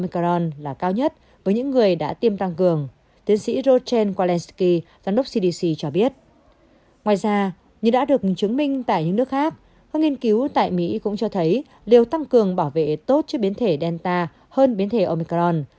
các nghiên cứu cho thấy liều tăng cường bảo vệ tốt cho biến thể delta hơn biến thể omicron